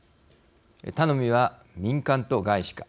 頼みは民間と外資か。